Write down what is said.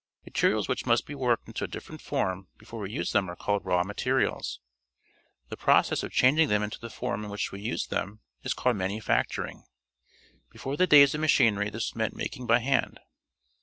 Materials which must be worked into a different form before we use them are called raic 7naterials. The process of chang ing them into the form in which we use them is called manufacturing. Before the days of machinery this meant making by hand.